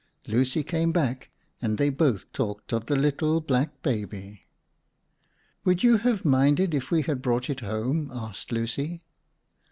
Lucy came back and they both talked of the little black baby. "Would you have minded if we had brought it home?" asked Lucy.